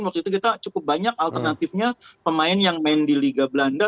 waktu itu kita cukup banyak alternatifnya pemain yang main di liga belanda